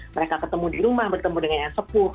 mereka ketemu di rumah bertemu dengan yang sepuh